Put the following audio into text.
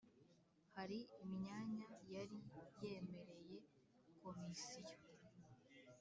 hari imyanya yari yemereye Komisiyo